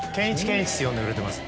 って呼んでくれてます。